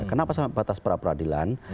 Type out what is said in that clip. kenapa sampai batas pra peradilan